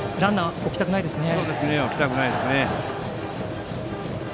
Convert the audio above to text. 置きたくないですね。